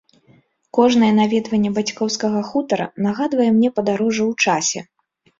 Кожнае наведванне бацькоўскага хутара нагадвае мне падарожжа ў часе.